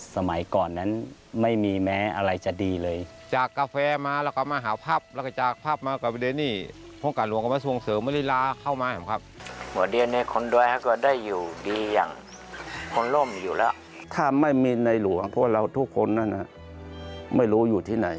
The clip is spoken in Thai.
สมัยก่อนนั้นไม่มีแม้อะไรจะดีเลย